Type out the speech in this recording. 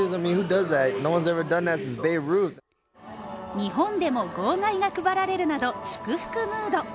日本でも号外が配られるなど祝福ムード